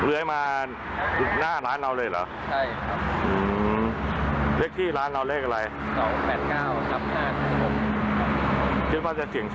เอาสักหน่อยครับ